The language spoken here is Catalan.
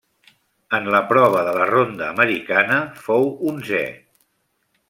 En la prova de la ronda americana fou onzè.